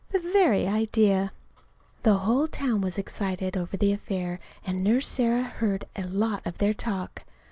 The very idea! The whole town was excited over the affair, and Nurse Sarah heard a lot of their talk.